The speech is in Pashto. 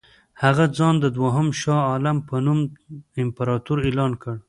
هغه ځان د دوهم شاه عالم په نوم امپراطور اعلان کړ.